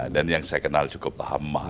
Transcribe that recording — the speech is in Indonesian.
dan yang saya kenal cukup lama